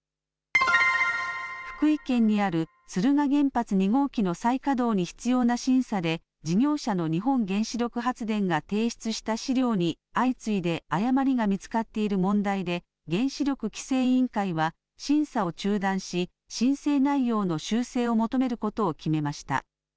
福井県にある敦賀原発２号機の再稼働に必要な審査で事業者の日本原子力発電が提出した資料に相次いで誤りが見つかっている問題で原子力規制委員会は審査を中断し申請内容の修正を求めることを決めました。